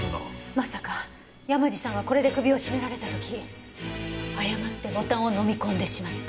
まさか山路さんがこれで首を絞められた時誤ってボタンを飲み込んでしまった。